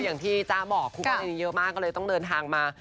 อย่างที่จ้าบอกคู่กรณีเยอะมากก็เลยต้องเดินทางมา